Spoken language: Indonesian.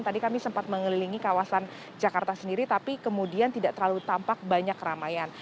tadi kami sempat mengelilingi kawasan jakarta sendiri tapi kemudian tidak terlalu tampak banyak keramaian